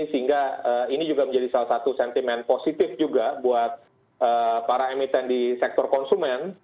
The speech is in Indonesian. sehingga ini juga menjadi salah satu sentimen positif juga buat para emiten di sektor konsumen